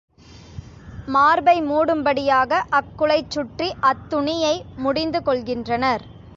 மார்பை மூடும்படியாக அக்குளைச் சுற்றி அத்துணியை முடிந்து கொள்கின்றனர்.